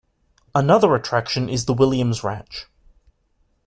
Another attraction is the Williams Ranch.